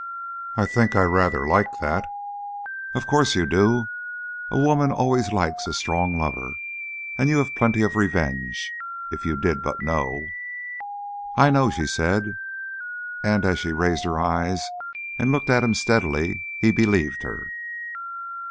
"I think I rather like that." "Of course you do. A woman always likes a strong lover. And you have plenty of revenge, if you did but know." "I know," she said; and as she raised her eyes and looked at him steadily, he believed her.